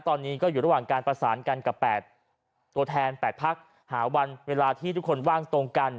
ตอนนี้ก็อยู่ระหว่างการประสานกันกับ๘ตัวแทน๘พักหาวันเวลาที่ทุกคนว่างตรงกัน